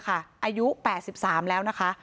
อายุ๘๓แล้วนะคะ